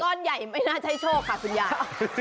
ก้อนใหญ่ไม่น่าใช้โชคค่ะคุณยาย